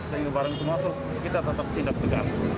sehingga barang itu masuk kita tetap tindak tegas